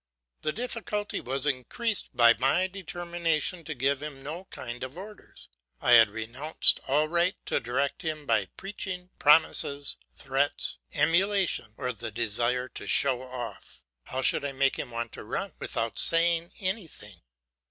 The difficulty was increased by my determination to give him no kind of orders. I had renounced all right to direct him by preaching, promises, threats, emulation, or the desire to show off. How should I make him want to run without saying anything?